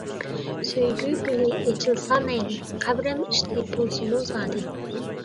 سۆيگۈ گۈلى ئېچىلسا مەيلى، قەبرەم ئۈستى بولسىمۇ زادى.